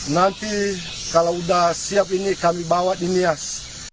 nanti kalau sudah siap ini kami bawa di nias